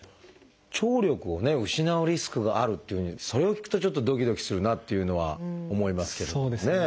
聴力を失うリスクがあるっていうふうにそれを聞くとちょっとドキドキするなあっていうのは思いますけどもね。